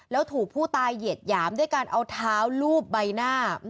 แล้วถูกผู้ตายเหยียดหยามด้วยการเอาเท้าลูบใบหน้า